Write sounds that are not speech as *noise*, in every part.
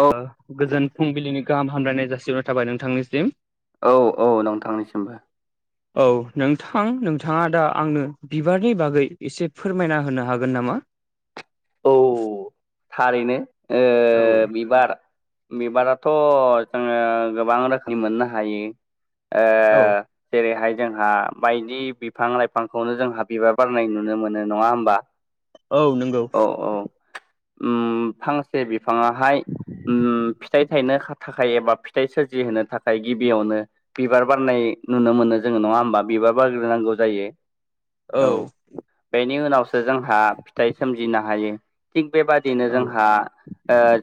औ गोजोन फुंबिलिनि गाहाम हामलायनाय जासिहरनाय थाबाय नोंथांनिसिम औ-औ नोंथांनिसिमबो औ नोंथां नोंथाङा दा आंनो बिबारनि बागै एसे फोरमायना होनो हागोन नामा औ थारैनो ओ औ बिबार बिबाराथ' जोङो गोबां रोखोमनि मोननो हायो औ जेरैहाय जोंहा बायदि बिफां लाइफांखौनो जोंहा बिबार बारनाय नुनो मोनो नङा होमबा औ नंगौ औ-औ फांसे बिफाङाहाय फिथाइ थायनो खा थाखाय एबा फिथाइ सोरजिहोनो थाखाय गिबियावनो बिबार बारनाय नुनो मोनो जोङो नङा होमबा बिबार बारग्रोनांगौ जायो औ बेनि उनावसो जोंहा फिथाइ सोमजिनो हायो थिग बेबादिनो औ जोंहा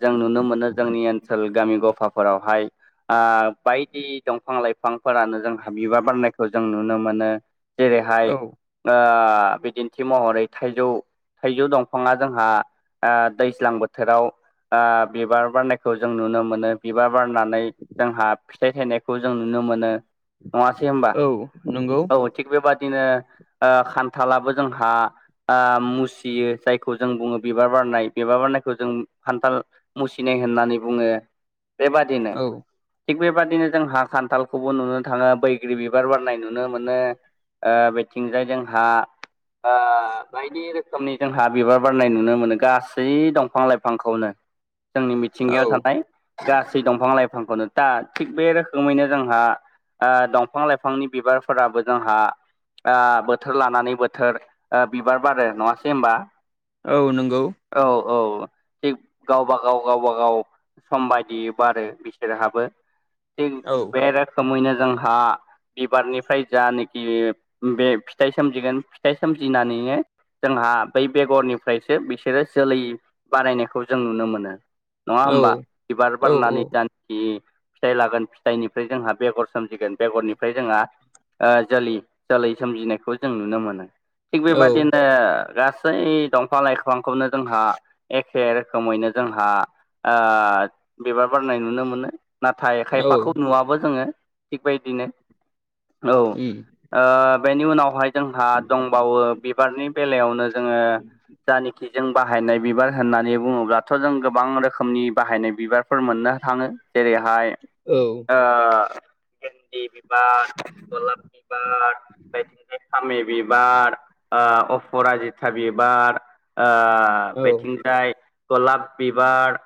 जों नुनो मोनो जोंनि ओनसोल गामि गफाफोरावहाय ओ बायदि दंफां लाइफां फोरानो जों हा बिबार बारनायखौ जों नुनो मोनो जेरैहाय औ बिदिन्थि महरै थाइजौ थाइजौ दं बिफाङा जोंहा दैज्लां बोथोराव बिबार बारनायखौ जों नुनो मोनो बिबार बारनानै जोंहा फिथाइ थायनायखौ जों नुनो मोनो नङासै होनबा औ नंगौ औ थिग बेबादिनो खान्थालाबो जोंहा मुसियो जाय खौ जों बुङो बिबार बारनाय बिबार बारनायखौ जों खान्थाल मुसिनाय होननानै बुङो बे बादिनो औ थिग बेबादिनो जों हा खान्थालखौबो नुनो थाङो बैग्रि बिबार बारनाय नुनो मोनो बेथिंजाय जोंहा बायदि रोखोमनि जोंहा बिबार बारनाय नुनो मोनो गासै दंफां लाइफांखौनो जोंनि औ मिथिंगायाव थानाय गासै दंफां लाइफांखौनो दा थिग बे रोखोमैनो जोंहा दंफां लाइफांनि बिबारफोराबो जोंहा बोथोर लानानै बोथोर बिबार बारो नङासै होमबा औ नंगौ औ-औ थिग गावब गाव गावबा गाव सम बायदियै बारो बिसोरहाबो थि औ बे रोखोमैनो जोंहा बिबारनिफ्राय जानेखि बे फिथाइ सोमजिगोन फिथाइ सोमजिनानैनो जोंहा बै बेगरनिफ्रायसो बिसोरो जोलै बारायनायखौ जों नुनो मोनो नङा औ होमबा बिबार बारनानै दान जि फिथाइ लागोन फिथाइनिफ्राय जोंहा बेगर सोमजिगोन बेगरनिफ्राय जोंहा जोलै जोलै सोमजिनायखौ जों नुनो मोनो थिग औ बेबादिनो गा सै दंफां लाइफांखौनो जोंहा एखे रोखोमैनो जोंहा ओ बिबार बारनाय नुनो मोनो नाथाय औ खायफाखौ नुवाबो जोङो थिग बायदिनो औ उम बेनि उनावहाय जोंहा दंबावो बिबारनि बेलायावनो जोङो जायनोखि जों बाहायनाय बिबार होननानै बुङोब्लाथ' जों गोबां रोखोमनि बाहायनाय बिबारफोर मोननो थाङो जेरै हाय औ ओ गेन्दि बिबार गलाब बिबार बेबायदिनो फामि बिबार अपराजित ता बिबार बेथिंजाय गलाब बिबार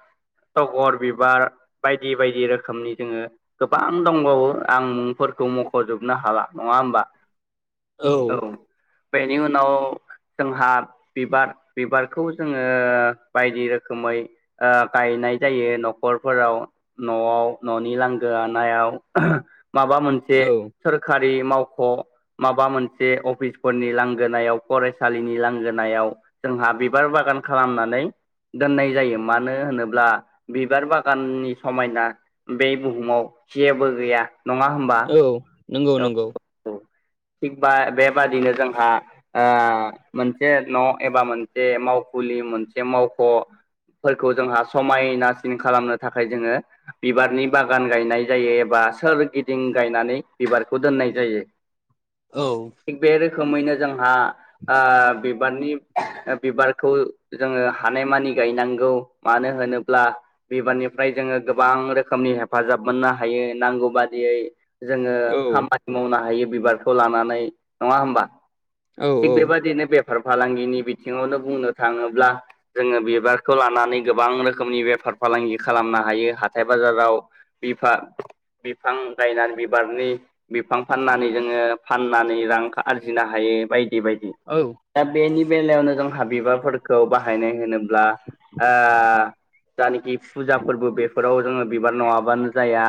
टगर बिबार बायदि बायदि रोखोमनि जोङो गोबां दंबावो आं मुंफोरखौ मख'जोबनो हाला नङा होमबा औ बेनि उनाव जोंहा बिबार बिबारखौ जोङो बायदि रोखोमै गायनाय जायो न'खरफोराव न'आव न'नि लांगोनायाव माबा मोन से औ सोरखारि मावख' माबा मोनसे अफिसफोरनि लांगोनायाव फराय सालिनि लांगोनायाव जोंहा बिबार बागान खालामनानै दोननाय जायो मानो होनोब्ला बिबार बागाननि समायना बे बुहुमाव जेबो गैया नङा होमबा औ नोंगौ औ नोंगौ औ थिग बा बेबादिनो जोंहा मोनसे न' एबा मोनसे मावखुलि मोनसे मावख' फोरखौ जोंहा समायनासिन खालामनो थाखाय जोङो बिबारनि बागान गायनाय जायो एबा सोरगिदिं गायनानै बिबारखौ दोननाय जायो औ थिग बे रोखोमैनो जोंहा बिबारनि बिबारखौ जोङो हानायमानि गायनांगौ मानो होनोब्ला बिबारनिफ्राय जोङो गोबां रोखोमनि हेफाजाब मोननो हायो नांगौ बादियै जोङो औ खामानि मावनो हायो बिबारखौ लानानै नङा होमबा औ थिग बेबादिनो बे बेफार फालांगिनि बिथिङावनो बुंनो थाङोब्ला जोङो बिबारखौ लानानै गोबां रोखोमनि बेफार फालांगि खालामनो हायो हाथाय बाजाराव बिफां बिफां गायनानै बिबारनि बिफां फाननानै जोङो फाननानै रां आरजिनो हायो बायदि बायदि औ दा बेनि बेलायावनो जोंहा बिबारफोरखौ बाहायनाय होनोब्ला ओ जानोखि फुजा फोरबो बेफोराव जोङो बिबार नङाबानो जाया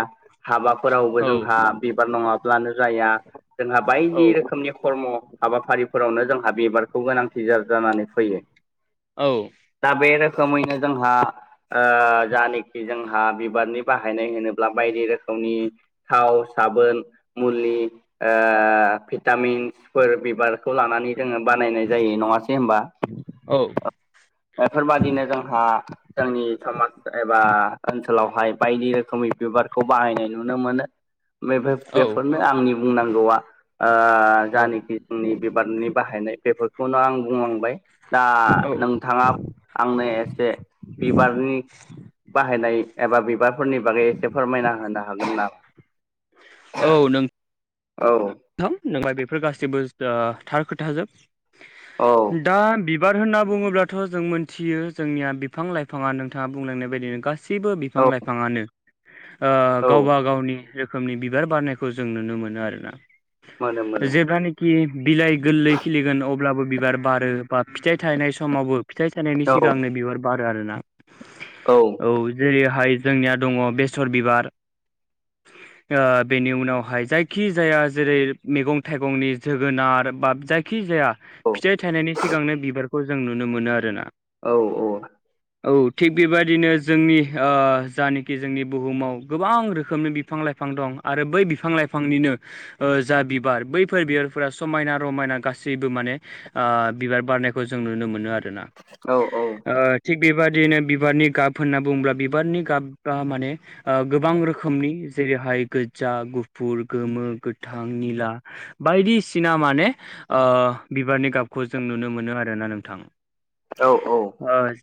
हाबाफोरावबो औ जोंहा बिबार नङाब्लानो जाया जोंहा बायदि रोखोम नि खर्म हाबाफारिफोरावनो जोंहा बिबारखौ गोनांथि जानानै फैयो औ दा बे रोखोमैनो जोंहा जानाखि जोंहा बिबारनि बाहायनाय होनोब्ला बायदि रोख खोमनि थाव साबोन मुलि ओ भिटामिन्सफोर बे बिबारखौ लानानै जोङो बानायनाय जायो नङासै होनबा बेफोरबादिनो जोंहा जोंनि समाज एबा ओनसोलावहाय बायदि रोखोमनि बिबारखौ बाहायनाय नुनो मोनो बे औ बेफोरनो आंनि बुंनांगौआ ओ औ जानोखि आंनि बिबारनि बाहायनाय बेफोरखौनो आं बुंलांबाय दा औ नोंथाङा आंनो एसे बिबारनि बाहायनाय एबा बिबारफोरनि बागै एसे फोरमायना होनो हागोन ना औ नों औ नोंथां बेफोर गासिबो थार खोथाजोब औ दा बिबार होनना बुङोब्लाथ' जों मोनथियो जोंनिया बिफां लाइफाङा नोंथाङा बुंलांनाय बायदिनो गास सैबो बिफां औ लाइफाङानो ओ औ गावबा गावनि जो रोखोमनि बिबार बारनायखौ जों नुनो मोनो आरो ना मोनो मोनो जेब्लानोखि बिलाइ गोरलै खिलिगोन अब्लाबो बिबार बारो बा फिथाइ थायनाय समावबो फिथाइ थायनायनि औ सिगांनो औ बिबार बारो आरोना औ औ जेरैहाय जोंनिया दङ बेसर बिबार ओ बेनि उनावहाय जायखि जाया जेरै मैगं थाइगंनि जोगोनार बा जायखिजाया फिथाइ थाइनायनि सिगांनो बिबार खौ जों नुनो मोनो आरोना औ-औ *inaudible* औ थिग बेबायदिनो जोंनि ओ जानोकि जोंनि बुहुमाव गोबां रोखोमनि बिफां लाइ बिफां दं आरो बै बिफां लाइफांनिनो ओ जा बिबार बैफोर बिबारफोरा समायना रमायना गासैबो माने ओ‌ बिबार बारनायखौ जों नुनो मोनो आरोना औ-औ ओ थिग बेबदिनो बिबारनि गाब होनना बुङोब्ला बिबारनि गाबा माने ओ गोबां रोखोमनि जेरैहाय गोज्जा गुफुर गोमो गोथां निला बायदिसिना माने ओ बिबारनि गाबखौ जों नुनो मोनो आरोना नोंथां। औ-औ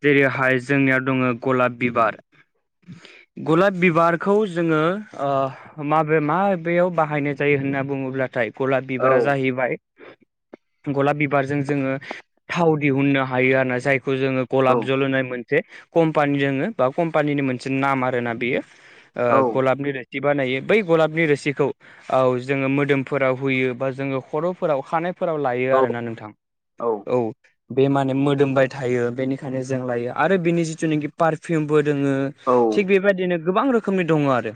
जेरैहाय जोंनियाव दङो गलाब बिबार गलाब बिबारखौ जोङो ओ माबे माबेयाव बाहायनाय जायो होनना बुङोब्लाथाय गलाब बिबारा औ जाहैबाय गलाब बिबारजों जोङो थाव दिहुननो हायो आरोना जाय खौ जोङो गलाब जल होनाय मोन से कम्पानि दोङो बा कम्पानिनि मोनसे नाम आरोना बेयो ओ औ औ गलाब मेरे बिदि बानायो बै गलाबनि रोसिखौ औ जोङो मोदोमफोराव होयो बा जोङो खर'फोराव खानाय फोराव लायो औ आरोना नोंथां औ बे माने मोदोमबाय थायो बेनिखायनो जों लायो आरो बिनि जितुनोखि पारफिउमबो दङो औ थिग बेबायदिनो गोबां रोखोमनि दङ आरो।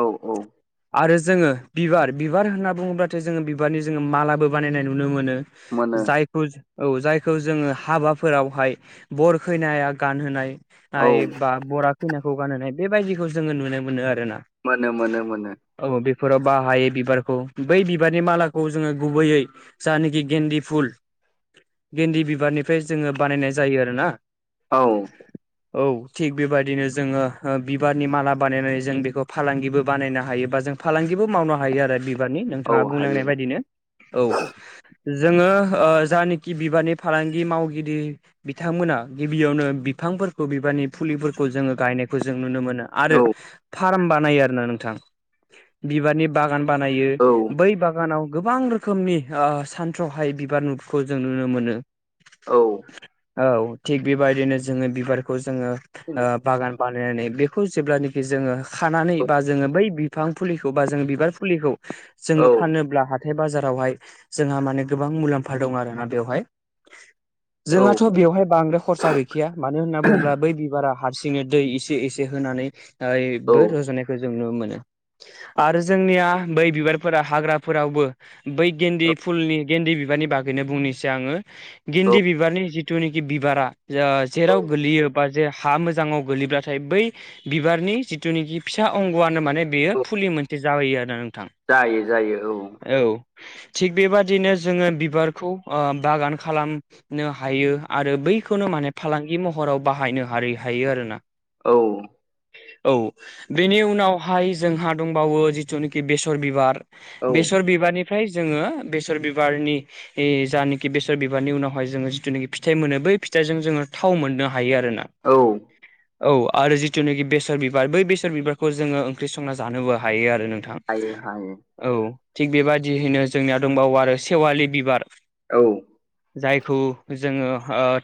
औ-औ आरो जोङो बिबार बिबार होनना बुङोब्लाथाय जोङो बिबारनि जोङो मालाबो बानायनाय नुनो मोनो। मोनो जाय खौ जायखौ जोङो हाबाफोरावहाय बर खैनाया गानहोनाय औ हाय बा बरा खैनाखौ गानहोनाय बेबायदिखौ जोङो नुनो मोनो आरोना मोनो मोनो मोनो औ बेफोराव बाहायो बिबारखौ बै बिबारनि मालाखौ जोङो गुबैयै जानोखि गेन्दि फुल गेन्दि बिबारनिफ्राय जोङो बानायनाय जायो आरोना औ औ थिग बेबायदिनो जोङो बिबारनि माला बानायनानै जों बेखौ फालांगिबो बानायनो हायो बा जों फालांगिबो मावनो हायो आरो बिबारनि औ नोंथाङा हायो बुंलांनाय बायदिनो औ जोङो ओ जानोकि बिबारनि फालांगि मावगिरि बिथांमोना गिबियावनो बिफांफोरखौ बिबारनि फुलिफोरखौ जोङो गायनायखौ जों नुनो मो नों आरो औ फाराम बानायो आरोना नोंथां बिबारनि बागान बानायो औ बै बागानाव गोबां रो खोमनि ओ सानथ्राहायि बिबार नु खौ जों नुनो मोनो औ औ थिग बेबायदिनो जोङो बिबारखौ जोङो ओ बागान बा नानै बेखौ जेब्लानोखि जोङो खानानै बा जोङो बै बिफां फुलिखौ बा जों बिबार फुलिखौ जोङो औ फानोब्ला हा हाथाइ बाजारावहाय जोंहा माने गोबां मुलाम्फा दं आरो ना बेवहाय औ जोंहाथ' बेवहाय बांद्राय खरसा गैखाया मानो होनना बुङोब्ला बै बिबारा हारसिङै दै एसे एसे औ होनानैबो रज'नायखौ जों नुनो मोनो आरो जोंनिया बै बिबारफोरा हाग्राफोरावबो बै गेन्दि फुलनि गेन्दि बिबारनि बागैनो बुंनोसै आङो गिन्दि बिबारनि जिथुनाखि बिबारा जेराव गोलैयो बा जे हा मोजाङाव गोलैब्लाथाय बै बिबारनि जिथुनिखि फिसा अंग'आनो माने बेयो फुलि मोनसे जाबोयो आरो नोंथां जायो जायो औ थिग बेबादिनो जोङो बिबारखौ बागान खालाम हायो आरो बैखौनो माने फालांगि महराव बाहायनो हा हायो आरोना औ औ बेनि उनावहाय जोंहा दंबावो जिथुनिखि बेसर बिबार औ बेसर बिबारनिफ्राय जोङो बेसर बिबारनि ए जानोखि बेसर बिबारनि उनावहाय जोङो जिथुनाखि फिथाइ मोनो बै फिथाइजों जोङो थाव मोननो हायो आरोना औ औ आरो जिथुनाखि बेसर बिबार बै बेसर बिबारखौ जोङो ओंख्रि संना जानोबो हायो आरो नोंथां हायो हायो औ थिग बेबायदियैनो जोंनिया दंबावो आरो सेवालि बिबार औ जायखौ जोङो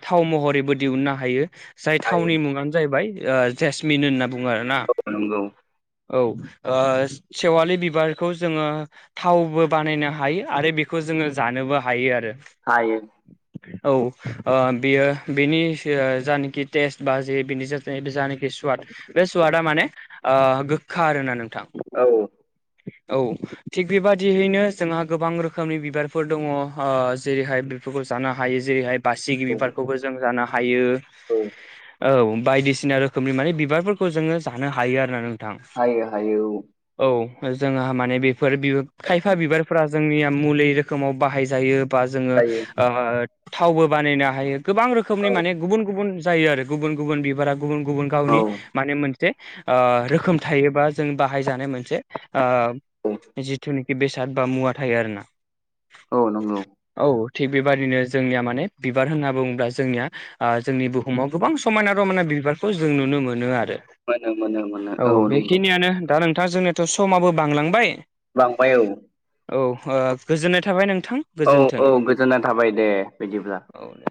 थाव महरैबो दिहुुननो हायो जाय हायो थावनि मुङानो जाहैबाय जेसमिन होनना बुङो आरोना नंगौ औ सेवालि बिबारखौ जोङो थावबो बानायनो हायो आरो बेखौ जोङो जानोबो हायो आरो हायो *inaudible* औ बियो बेनि जानोखि टेस्ट बा जे बेनि जानाखि स्वाद बे सुवादा माने गोखा आरोना नोंथां औ औ थिग बेबादियैनो जोंहा गोबां रोखोमनि बिबारफोर दङ जेरैहाय बेफोरखौ जानो हायो जेरैहाय बासिगिरि औ बिबारखौबो जों जानो हायो औ औ बायदिसिना रोखोमनि माने बिबारफोरखौ जोङो जानो हायो आरो ना नोंथां हायो हायो औ औ जोंहा माने बेफोर खायफा बिबारफोरा जोंनिया मुलि रोखोमाव बाहायजायो बा जोङो हायो थावबो बानायनो हायो गोबां रोखोमनि औ माने गुबुन गुबुन जायो आरो गुबुन गुबुन बिबारा गुबुन गुबुन गावनि औ माने मोनसे रोखोम थायोबा जों बाहाय जानाय मोनसे औ जिथुनाखि बेसाद बा मुवा थायो आरो ना औ नंगौ औ थिग बेबादिनो जोंनिया माने बिबार होनना बुङोब्ला जोंनिया जोंनि बुहुमाव गोबां समायना रमायना बिबारखौ जों नुनो मोनो आरो मोनो मोनो मोनो औ बेखिनियानो दा नोंथां जोंनिथ' समाबो बांलांबाय बांबाय औ औ गोजोननाय थाबाय नोंथां गोजोन्थों औ-औ गोजोना थाबाय दे बिदिब्ला औ दे